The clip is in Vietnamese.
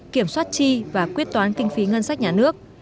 kiểm soát chi và quyết toán kinh phí ngân sách nhà nước